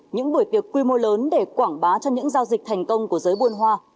những buổi tiệc quy mô lớn để quảng bá cho những giao dịch thành công của giới buôn hoa